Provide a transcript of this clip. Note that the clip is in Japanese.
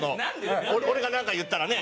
俺がなんか言ったらね。